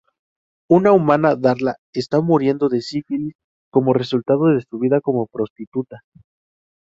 Una humana Darla está muriendo de sífilis como resultado de su vida como prostituta.